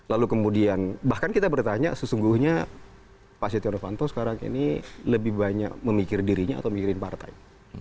lalu kemudian bahkan kita bertanya sesungguhnya pak setia novanto sekarang ini lebih banyak memikir dirinya atau mikirin partai